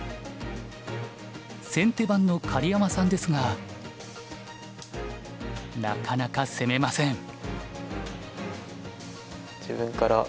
先手番の狩山さんですがなかなか攻めません。